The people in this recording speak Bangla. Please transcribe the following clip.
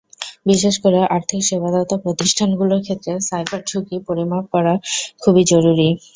বিশেষ করে আর্থিক সেবাদাতা প্রতিষ্ঠানগুলোর ক্ষেত্রে সাইবার ঝুঁকি পরিমাপ করা খুবই জরুরি।